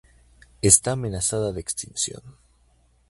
Está amenazada de extinción.